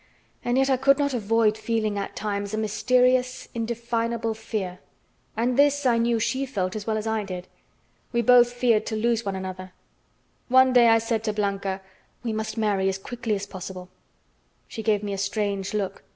And yet I could not avoid feeling at times a mysterious, indefinable fear. And this I knew she felt as well as I did. We both feared to lose one another. One day I said to Blanca: "We must marry, as quickly as possible." She gave me a strange look.